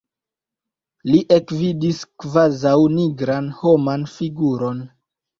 Li ekvidis kvazaŭ nigran homan figuron.